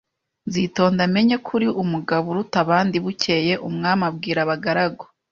nzitonda menye ko uri umugabo uruta abandi Bukeye umwami abwira abagaragu